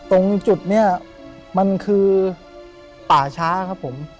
ตรงจุดนี้มันคือป่าช้าครับผม